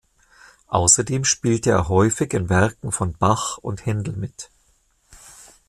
Außerdem spielte er häufig in Werken von Bach und Händel mit.